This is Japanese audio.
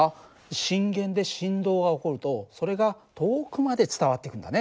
震源で振動が起こるとそれが遠くまで伝わっていくんだね。